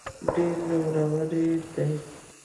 ډېر زورور دی.